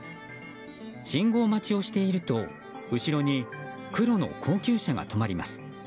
信号待ちをしていると後ろに黒の高級車が止まります。